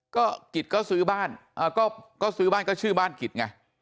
ก็กิจก็ซื้อบ้านก็ซื้อบ้านก็ชื่อบ้านกิจไง